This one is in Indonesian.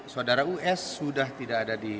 saudara us sudah tidak ada di